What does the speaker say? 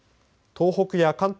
東北や関東